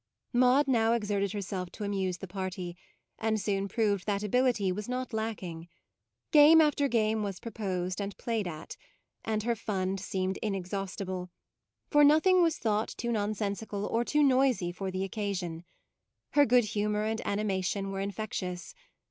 Maude now exerted herself to amuse the party; and soon proved that ability was not lacking. Game after game was proposed and played at ; and her fund seemed inexhausti ble, for nothing was thought too 32 MAUDE nonsensical or too noisy for the occa sion. Her good humour and anima tion were infectious.